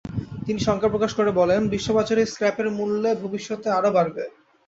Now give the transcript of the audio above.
তিনি শঙ্কা প্রকাশ করে বলেন, বিশ্ববাজারে স্ক্র্যাপের মূল্যে ভবিষ্যতে আরও বাড়বে।